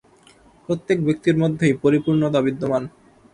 প্রত্যেক ব্যক্তির মধ্যেই পরিপূর্ণতা বিদ্যমান।